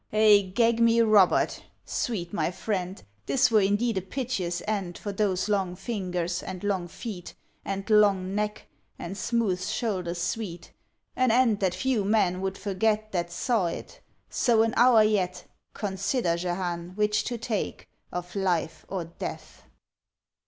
Eh! gag me Robert! Sweet my friend, This were indeed a piteous end For those long fingers, and long feet, And long neck, and smooth shoulders sweet; An end that few men would forget That saw it. So, an hour yet: Consider, Jehane, which to take Of life or death!